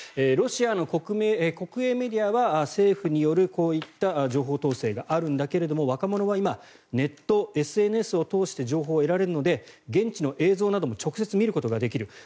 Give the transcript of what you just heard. ロシアの国営メディアは政府によるこういった情報統制があるんだけれども若者は今ネット、ＳＮＳを通して情報を得られるので現地の映像なども直接見ることができる。